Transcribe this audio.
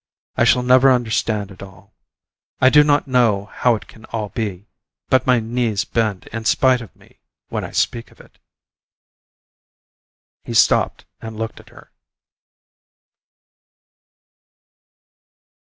I shall never understand it all. I do not know how it can all be, but my knees bend in spite of me when I speak of it.... He stopped and looked at her.